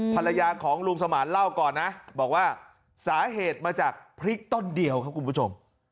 ภรรยาของลุงสมานเล่าก่อนนะบอกว่าสาเหตุมาจากพริกต้นเดียวครับคุณผู้ชม